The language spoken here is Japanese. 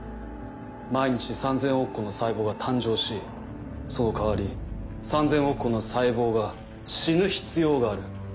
毎日３０００億個の細胞が誕生しその代わり３０００億個の細胞が死ぬ必要がある。